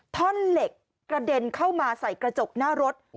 ท่อนเหล็กกระเด็นเข้ามาใส่กระจกหน้ารถ